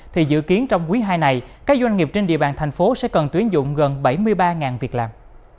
thì dự kiến trong quý ii này các doanh nghiệp trên địa bàn thành phố sẽ cần tuyển dụng gần bảy mươi ba việc làm